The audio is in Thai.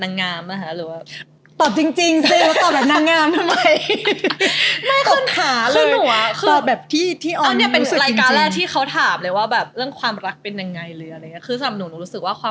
งามนะคะหรือว่า